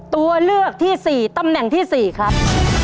ตัวเลือกที่๔ตำแหน่งที่๔ครับ